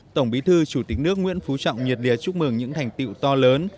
tổng bí thư chủ tịch nước nguyễn phú trọng nhiệt lìa chúc mừng những thành tựu to lớn